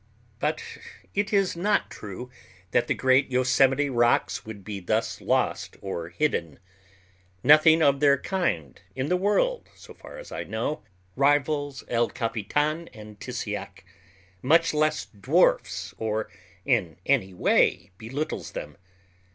But it is not true that the great Yosemite rocks would be thus lost or hidden. Nothing of their kind in the world, so far as I know, rivals El Capitan and Tissiack, much less dwarfs or in any way belittles them.